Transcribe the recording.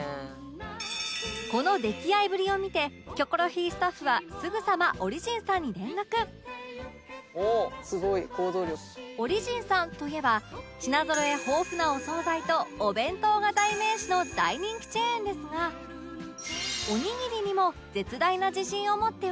この溺愛ぶりを見て『キョコロヒー』スタッフはすぐさま「おお！」「すごい！行動力」オリジンさんといえば品ぞろえ豊富なお惣菜とお弁当が代名詞の大人気チェーンですがおにぎりにも絶大な自信を持っており